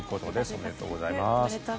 おめでとうございます。